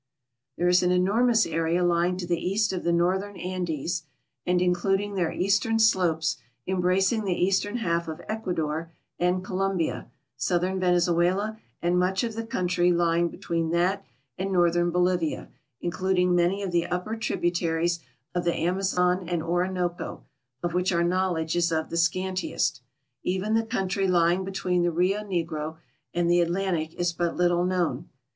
There is an enormous area lying to the east of the northern Andes and including their eastern slopes, embracing the eastern half of Ecuador and Colombia, southern Venezuela, and much of the country lying between that and northern Bolivia, includ ing many of the upper tributaries of the Amazon and Orinoco, of which our knowledge is of the scantiest. Even the country lying between the Rio Negro and the Atlantic is but little known.